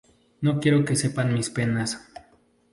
No quiero que sepan mis penas"".